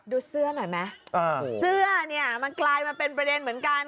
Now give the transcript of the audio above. เสื้อหน่อยไหมเสื้อเนี่ยมันกลายมาเป็นประเด็นเหมือนกัน